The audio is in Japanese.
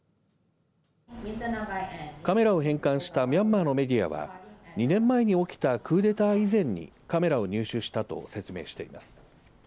カメラは返還したミャンマーのメディアは２年前に起きたクーデター以前にカメラを入手したと説明しています。